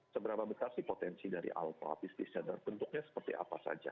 seberapa besar sih potensi dari alpha bisnisnya dan bentuknya seperti apa saja